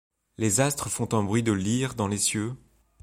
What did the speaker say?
Les astres font un bruit de lyres dans les cieux ;